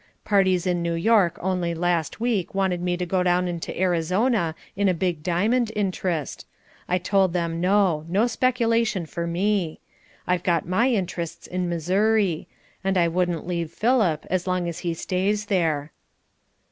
Parties in New York only last week wanted me to go down into Arizona in a big diamond interest. I told them, no, no speculation for me. I've got my interests in Missouri; and I wouldn't leave Philip, as long as he stays there."